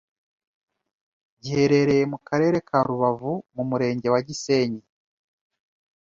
giherereye mu Karere ka Rubavu mu murenge wa Gisenyi